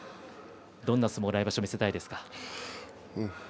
どんな相撲を来場所見せたいですか。